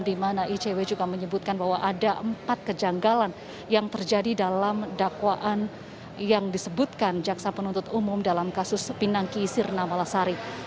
di mana icw juga menyebutkan bahwa ada empat kejanggalan yang terjadi dalam dakwaan yang disebutkan jaksa penuntut umum dalam kasus pinangki sirna malasari